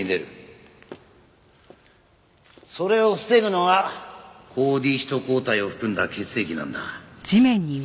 それを防ぐのが抗Ｄヒト抗体を含んだ血液なんだ。